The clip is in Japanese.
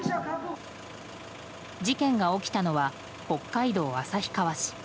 事件が起きたのは北海道旭川市。